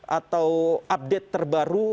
atau update terbaru